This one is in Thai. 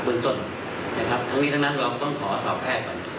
เมืองต้นนะครับทั้งนี้ทั้งนั้นเราต้องขอสอบแพทย์ก่อน